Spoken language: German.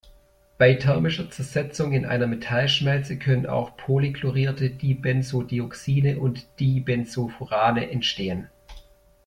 Bei thermischer Zersetzung in einer Metallschmelze können auch polychlorierte Dibenzodioxine und Dibenzofurane entstehen.